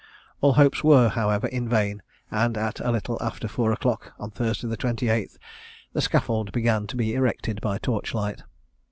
All hopes were, however, vain, and at a little after four o'clock, on Thursday the 28th, the scaffold began to be erected by torch light.